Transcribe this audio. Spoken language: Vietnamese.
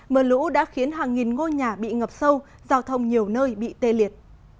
mưa lũ đã khiến hàng nghìn ngôi nhà bị ngập sâu giao thông nhiều nơi bị tê liệt